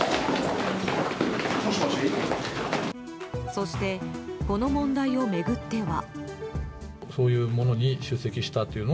そして、この問題を巡っては。